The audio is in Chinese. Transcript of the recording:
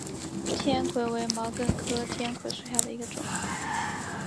天葵为毛茛科天葵属下的一个种。